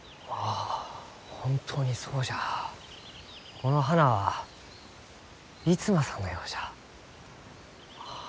この花は逸馬さんのようじゃ。